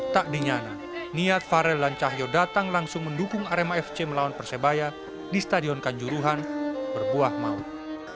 tak dinyana niat farel dan cahyo datang langsung mendukung arema fc melawan persebaya di stadion kanjuruhan berbuah maut